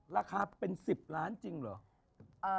ราคาเป็น๑๐ล้านจริงเหรอ